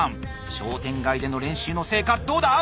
商店街での練習の成果どうだ？